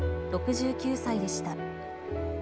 ６９歳でした。